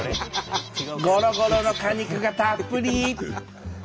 ゴロゴロの果肉がたっぷり！